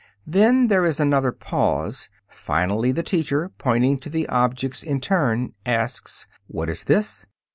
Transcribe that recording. Then there is another pause. Finally, the teacher, pointing to the objects in turn asks, "What is this?"